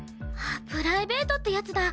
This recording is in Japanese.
プライベートってやつだ？